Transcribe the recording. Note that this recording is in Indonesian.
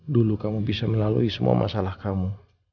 dulu kamu bisa melalui semua masalah kamu